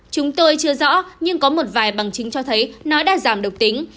chúng tôi chưa rõ nhưng có một vài bằng chứng cho thấy nó đã giảm độc tính